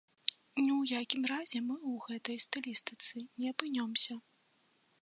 Ні ў якім разе мы ў гэтай стылістыцы не апынёмся.